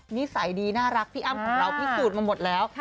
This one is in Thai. นิสัยดีน่ารักพี่อ้ำของเราพิสูจน์มาหมดแล้ว